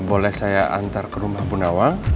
boleh saya antar ke rumah bu nawang